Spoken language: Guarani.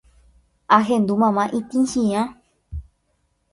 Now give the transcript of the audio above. ahendu mama itĩchiã